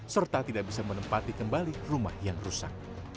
serta tidak bisa menempati kembali rumah yang rusak